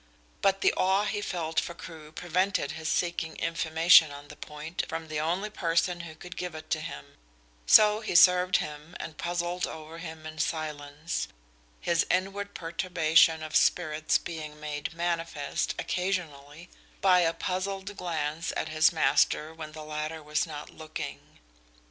But the awe he felt for Crewe prevented his seeking information on the point from the only person who could give it to him, so he served him and puzzled over him in silence, his inward perturbation of spirits being made manifest occasionally by a puzzled glance at his master when the latter was not looking.